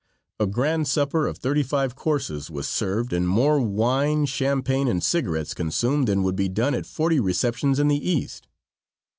A grand supper of thirty five courses was served and more wine, champagne and cigarettes consumed than would be done at forty receptions in the East.